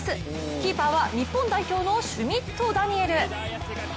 キーパーは日本代表のシュミット・ダニエル。